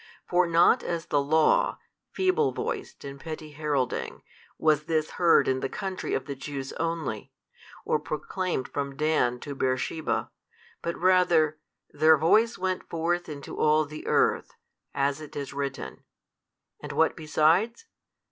For not as the Law, feeble voiced and petty heralding, was this heard in the country of the Jews only, or proclaimed from Dan to Beersheba, but rather, Their voice went forth into all the earth, as it is written. And what besides?